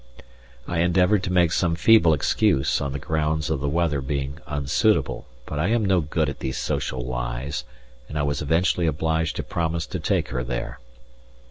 I endeavoured to make some feeble excuse on the grounds of the weather being unsuitable, but I am no good at these social lies, and I was eventually obliged to promise to take her there.